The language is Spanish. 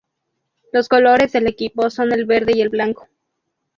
Los colores del equipo son el verde y el blanco.